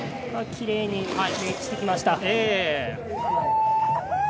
きれいにメイクしてきました。